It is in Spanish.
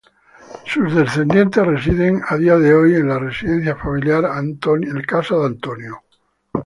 Sus descendientes residen a día de hoy en la residencia familiar: Antony House.